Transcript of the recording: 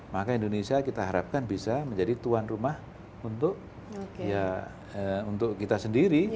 maka indonesia kita harapkan bisa menjadi tuan rumah untuk ya untuk kita sendiri